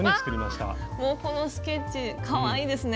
もうこのスケッチかわいいですね。